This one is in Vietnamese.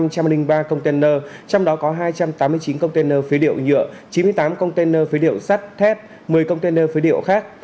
một trăm linh ba container trong đó có hai trăm tám mươi chín container phế liệu nhựa chín mươi tám container phế liệu sắt thép một mươi container phế liệu khác